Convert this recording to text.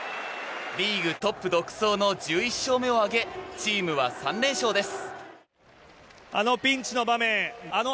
リーグトップ独走の１１勝目を挙げチームは３連勝です。